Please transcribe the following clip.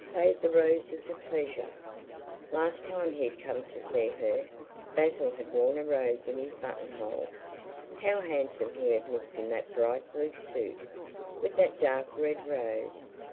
Fade the Roses of Pleasure. Last time he had come to see her, Basil had worn a rose in his buttonhole. How handsome he had looked in that bright blue suit, with that dark red rose!